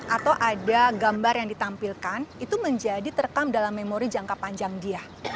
atau ada gambar yang ditampilkan itu menjadi terekam dalam memori jangka panjang dia